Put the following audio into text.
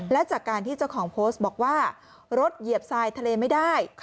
และจากการที่เจ้าของโพสต์บอกว่ารถเหยียบทรายทะเลไม่ได้